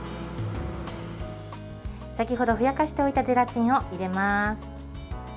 先ほどふやかしておいたゼラチンを入れます。